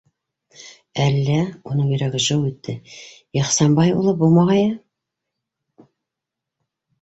Әллә, - уның йөрәге «жыу» итте - Ихсанбай, улы, булмағайы?